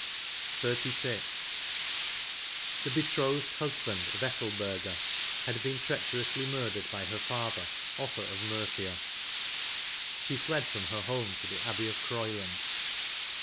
7*4 XXXVI. The betrothed husband of Ethelberga had been treacherously murdered by her father, OflRa of Mercia ; she fled from her home to the Abbey of Groyland.